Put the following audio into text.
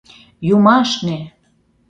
Юмашне!